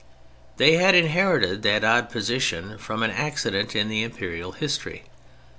They had inherited that odd position from an accident in the Imperial history.